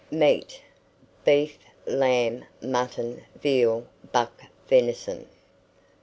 MEAT. Beef, lamb, mutton, veal, buck venison.